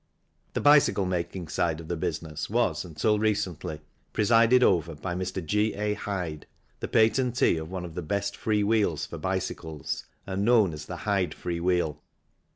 The bicycle making side of the business was, until recently, presided over by Mr. G. A. Hyde, the patentee of one of the best free wheels for bicycles and known as the Hyde free wheel.